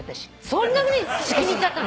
そんなに気に入っちゃったの？